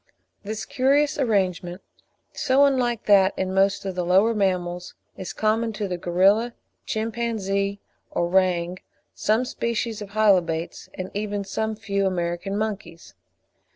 This curious arrangement, so unlike that in most of the lower mammals, is common to the gorilla, chimpanzee, orang, some species of Hylobates, and even to some few American monkeys.